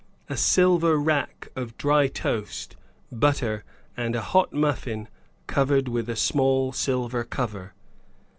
A silver rack of dry toast, butter, and a hot muffin covered with a small silver cover.